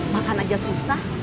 makan aja susah